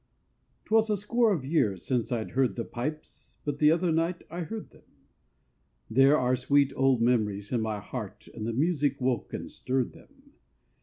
'Twas a score of years since I'd heard the pipes, But the other night I heard them; There are sweet old memories in my heart, And the music woke and stirred them.